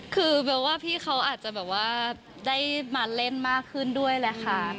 คือพี่เขาอาจจะได้มาเล่นมากขึ้นด้วยแหละค่ะ